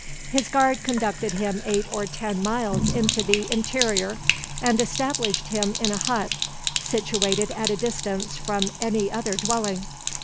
His guard conducted him eight or ten miles into the interior, and established him in a hut, situated at a distance from any other dwelling.